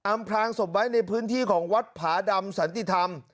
พลางศพไว้ในพื้นที่ของวัดผาดำสันติธรรม